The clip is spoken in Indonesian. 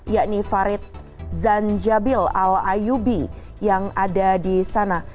yakni farid zanjabil al ayubi yang ada di sana